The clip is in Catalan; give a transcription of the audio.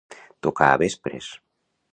Tocar a vespres.